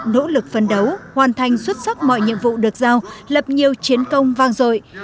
nỗ lực phân đấu hoàn thành xuất sắc mọi nhiệm vụ được giao lập nhiều chiến công vang dội